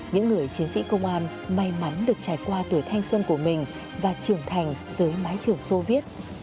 những người chiến sĩ công an may mắn được trải qua tuổi thanh xuân của mình và trưởng thành dưới mái trường soviet